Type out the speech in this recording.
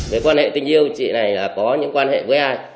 với quan hệ tình yêu chị này là có những quan hệ với ai